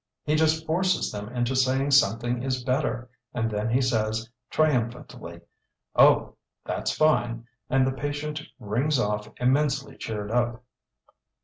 He just forces them into saying something is better, and then he says, triumphantly, 'Oh that's fine!' and the patient rings off immensely cheered up."